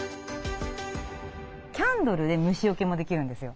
キャンドルで虫よけもできるんですよ。